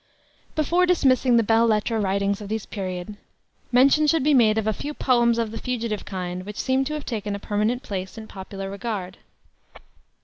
Before dismissing the belles lettres writings of this period, mention should be made of a few poems of the fugitive kind which seem to have taken a permanent place in popular regard.